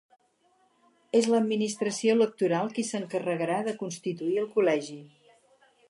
És l’administració electoral qui s’encarregarà de constituir el col·legi.